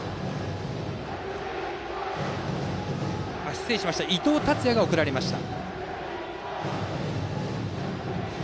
失礼しました、代打に伊藤達也が送られました。